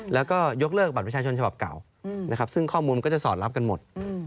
แล้วก็ยกเลิกบัตรประชาชนฉบับเก่านะครับซึ่งข้อมูลก็จะสอดรับกันหมด